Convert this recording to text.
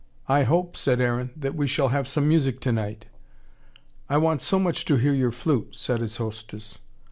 "I hope," said Aaron, "that we shall have some music tonight." "I want so much to hear your flute," said his hostess.